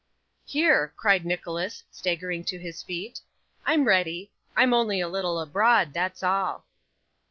'Here!' cried Nicholas, staggering to his feet, 'I'm ready. I'm only a little abroad, that's all.